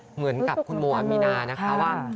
เหมือนกับคุณโมอามีนานะคะว่า